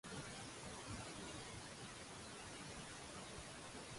男人心聲節目主持嗎？